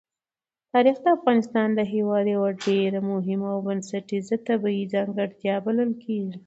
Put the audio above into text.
تاریخ د افغانستان هېواد یوه ډېره مهمه او بنسټیزه طبیعي ځانګړتیا بلل کېږي.